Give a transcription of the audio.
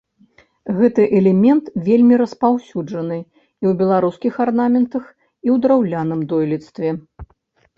Гэты элемент вельмі распаўсюджаны і ў беларускіх арнаментах, і ў драўляным дойлідстве.